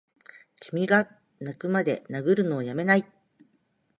君がッ泣くまで殴るのをやめないッ！